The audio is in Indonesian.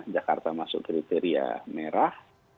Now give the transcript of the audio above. jakarta masuk kriteria merah